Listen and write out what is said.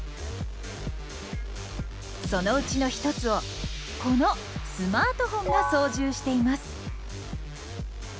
そのうちの１つをこのスマートフォンが操縦しています！